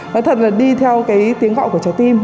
nó thật là đi theo cái tiếng gọi của trái tim